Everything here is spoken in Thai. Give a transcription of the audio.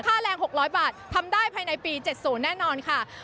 แรง๖๐๐บาททำได้ภายในปี๗๐แน่นอนค่ะ